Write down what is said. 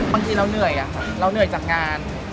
บางทีเราเหนื่อยอะค่ะเราเหนื่อยจากงาน